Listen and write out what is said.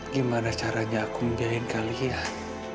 gimana caranya aku membiayain kalian